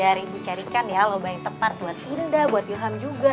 iya nanti biar ibu carikan ya lomba yang tepat buat indah buat ilham juga